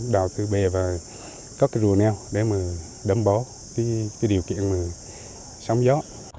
đầu tư bè và có rùa neo để đấm bó điều kiện sống gió